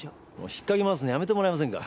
ひっかき回すのやめてもらえませんか？